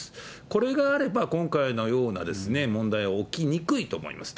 これがあれば、今回のような問題は起きにくいと思います。